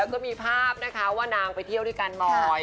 ก็มีภาพนะคะว่านางไปเที่ยวที่การบ่อย